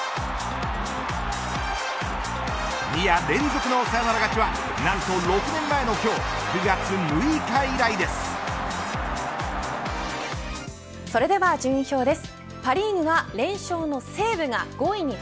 ２夜連続のサヨナラ勝ちは何と６年前の今日それでは順位表です。